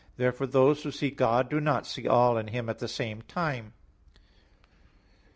Therefore those who see God do not see all in Him at the same time.